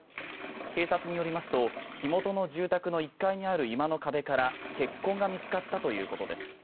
警察によりますと火元の住宅の１階にある居間の壁から血痕が見つかったということです。